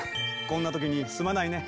こんな時にすまないね。